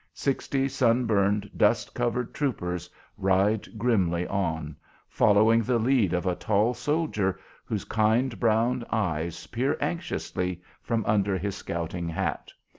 Sixty sunburned, dust covered troopers ride grimly on, following the lead of a tall soldier whose kind brown eyes peer anxiously from under his scouting hat.